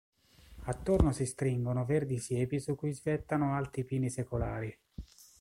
Attorno si stringono verdi siepi su cui svettano alti pini secolari.